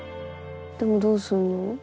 でもどうすんの？